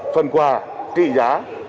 phần quà trị giá